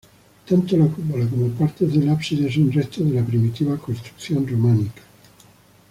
Tanto la cúpula como partes del ábside son restos de la primitiva construcción románica.